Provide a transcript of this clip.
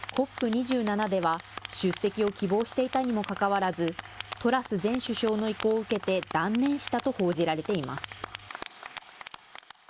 ２７では、出席を希望していたにもかかわらず、トラス前首相の意向を受けて断念したと報じられています。